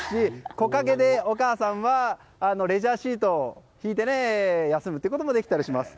木陰でお母さんはレジャーシートを敷いて休むということもできたりします。